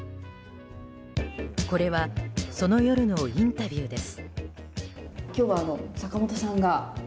これはその夜のインタビューです。